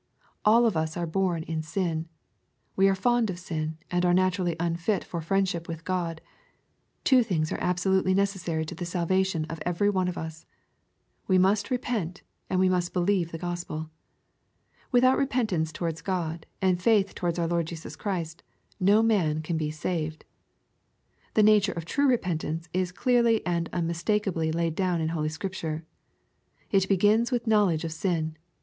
All of us are born in sin. We are fond of sin, and are naturally unfit for friendship with God. Two things are absolutely necessary to the salvation of every one of us. We must repent, and we must believe the Gospel. Without repentance towards God, and faith towards our Lord Jesus Christ, no man can be saved. The nature of true repentance is clearly and unmis takeably laid down in holy Scripture. It begins with knowledge of sin.